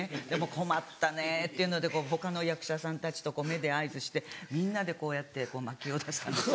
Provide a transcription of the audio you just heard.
困ったねっていうので他の役者さんたちと目で合図してみんなでこうやって巻きを出したんです。